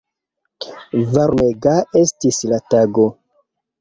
Varmega estis la tago.